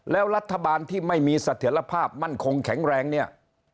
แล้วรัฐบาลที่ไม่มีเสถียรภาพมั่นคงแข็งแรงเนี่ย